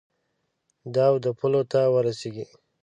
د اود پولو ته ورسیږي.